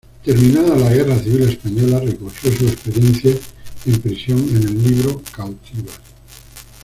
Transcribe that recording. Terminada la Guerra Civil Española, recogió su experiencia en prisión en el libro "Cautivas.